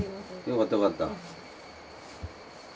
よかったよかった。